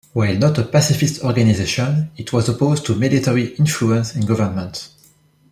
While not a pacifist organization, it was opposed to military influence in government.